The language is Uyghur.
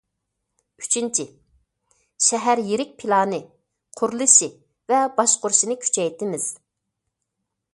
ئۈچىنچى، شەھەر يىرىك پىلانى، قۇرۇلۇشى ۋە باشقۇرۇشىنى كۈچەيتىمىز.